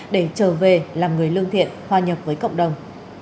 để trở về làm người lương thiện hòa nhập với cộng đồng